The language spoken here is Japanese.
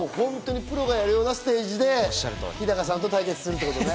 プロがやるようなステージで日高さんと対決するってことね。